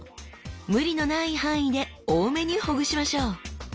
無理のない範囲で多めにほぐしましょう！